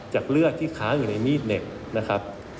จากเลือดที่ค้าอยู่ในมีดเน็บ